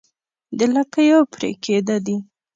د لکيو پرې کېده دي